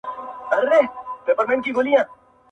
گامېښه د گل په بوی څه پوهېږي.